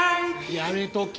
やめとき。